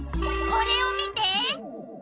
これを見て！